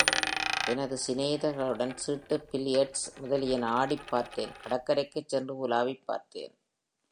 எனது சிநேகிதர்களுடன் சீட்டு, பில்லியர்ட்ஸ் முதலியன ஆடிப் பார்த்தேன் கடற்கரைக்குச் சென்று உலாவிப் பார்த்தேன்.